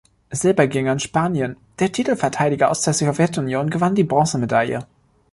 Silber ging an Spanien, der Titelverteidiger aus der Sowjetunion gewann die Bronzemedaille.